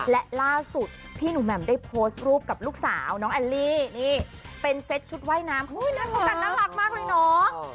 และล่าสุดพี่หนูแหม่มได้โพสต์รูปกับลูกสาวน้องแอลลี่นี่เป็นเซ็ตชุดว่ายน้ำนั่นโอกาสน่ารักมากเลยเนาะ